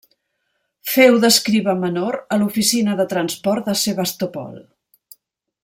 Féu d'escriba menor a l’oficina de transport de Sebastopol.